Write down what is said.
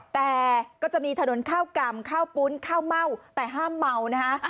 แต่ก็จะมีถนนข้าวก่ำข้าวปุ้นข้าวเม่าแต่ห้ามเมานะฮะ